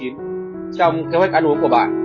trong kế hoạch ăn uống của bạn